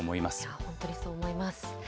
本当にそう思います。